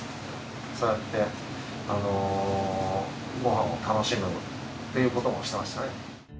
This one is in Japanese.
そうやってご飯を楽しむっていうこともしてましたね。